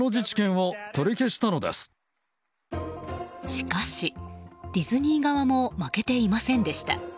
しかし、ディズニー側も負けていませんでした。